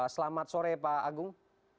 selamat sore pak agung